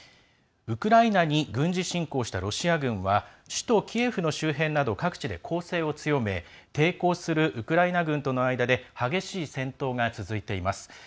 ウクライナに軍事侵攻したロシア軍は首都キエフの周辺など各地で攻勢を強め抵抗するウクライナ軍との間で激しい戦闘が続いています。